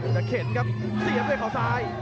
จะเข็นครับเสียบด้วยเขาซ้าย